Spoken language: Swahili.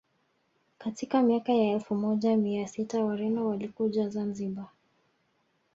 Katika miaka ya elfu moja na mia sita Wareno walikuja Zanzibar